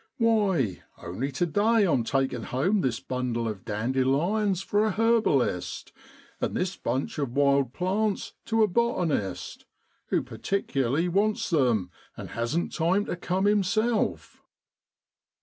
Why, only to day I'm taking home this bundle of dandelions for a herbalist, and this bunch of wild plants to a botanist, who particularly wants them, and hasn't time to come himself.